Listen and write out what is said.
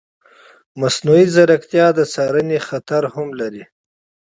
مصنوعي ځیرکتیا د څارنې خطر هم لري.